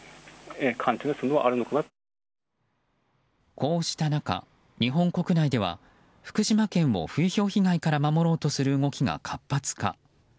こうした中、日本国内では福島県を風評被害から守ろうとする動きが活発化。